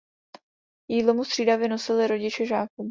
Jídlo mu střídavě nosili rodiče žáků.